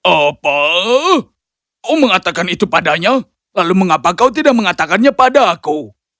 apa kau mengatakan itu padanya lalu mengapa kau tidak mengatakannya padaku